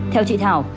theo chị thảo